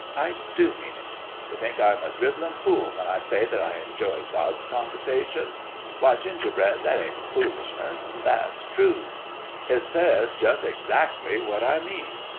I do mean it. You think I'm a dribblin' fool when I say that I en joy God's conversation? Why, Gingerbread, that ain't foolishness ; that's Truth. It says jus' 'xactly what I mean.